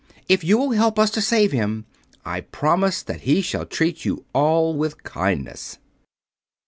If you will help us to save him I promise that he shall treat you all with kindness."